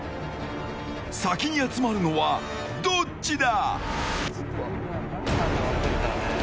先に集まるのは、どっちだ？